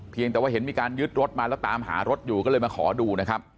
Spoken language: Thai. แต่ว่าเห็นมีการยึดรถมาแล้วตามหารถอยู่ก็เลยมาขอดูนะครับ